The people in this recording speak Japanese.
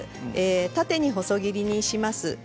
縦に細切りにします。